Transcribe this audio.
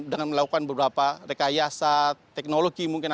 dengan melakukan beberapa rekayasa teknologi mungkin